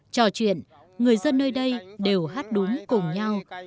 trò chuyện người dân nơi đây đều hát đúng cùng nhau